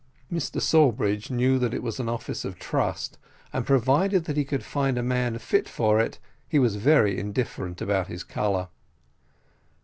Mr Sawbridge knew that it was an office of trust, and provided that he could find a man fit for it, he was very indifferent about his colour.